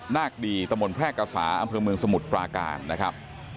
น่ากดีตมพรกษาอำเภอเมืองสมุทรปลาการนะครับ